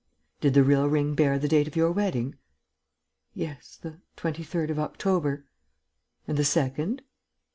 "Did the real ring bear the date of your wedding?" "Yes ... the 23rd of October." "And the second?"